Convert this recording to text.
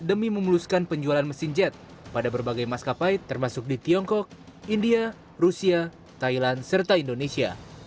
demi memuluskan penjualan mesin jet pada berbagai maskapai termasuk di tiongkok india rusia thailand serta indonesia